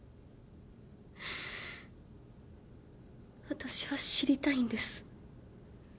私は知りたいんです。